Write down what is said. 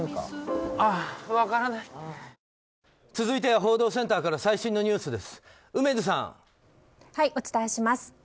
続いては報道センターから最新のニュースです。